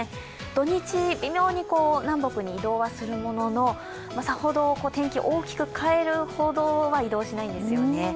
土日、微妙に南北に移動はするもののさほど天気を大きく変えるほどは移動しないんですよね。